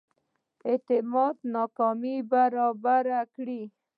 اعتماد نامې برابري کړي.